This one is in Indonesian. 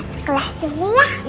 doi belajar yang pintar ya